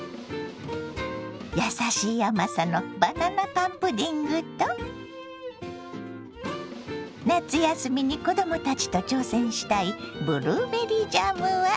やさしい甘さのバナナパンプディングと夏休みに子供たちと挑戦したいブルーベリージャムはいかが。